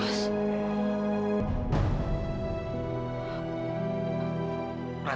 aku mau pergi ke rumah